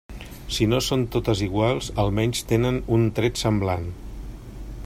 Si no són totes iguals, almenys tenen un tret semblant.